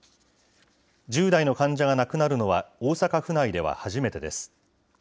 １０代の患者が亡くなるのは大阪府内では初めてです。